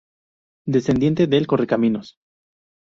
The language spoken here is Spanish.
Descendiente del Correcaminos.